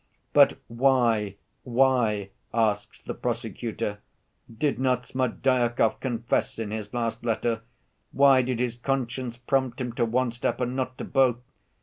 "But why, why, asks the prosecutor, did not Smerdyakov confess in his last letter? Why did his conscience prompt him to one step and not to both?